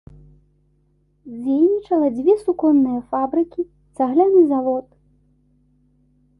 Дзейнічала дзве суконныя фабрыкі, цагляны завод.